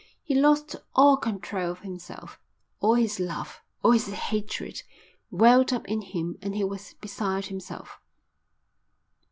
He lost all control of himself. All his love, all his hatred, welled up in him and he was beside himself.